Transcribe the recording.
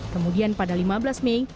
kemudian pada lima belas mei